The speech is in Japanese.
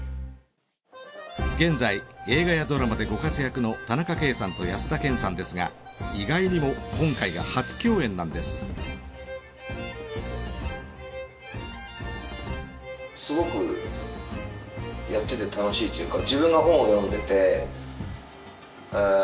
現在映画やドラマでご活躍の田中圭さんと安田顕さんですが意外にも今回が初共演なんです。なんていうんですかね。